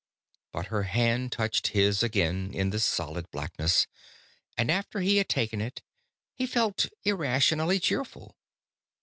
But her hand touched his again in the solid blackness, and after he had taken it, he felt irrationally cheerful.